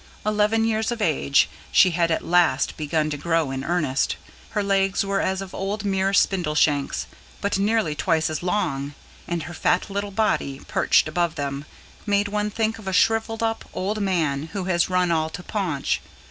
Eleven years of age, she had at last begun to grow in earnest: her legs were as of old mere spindleshanks, but nearly twice as long; and her fat little body, perched above them, made one think of a shrivelled up old man who has run all to paunch.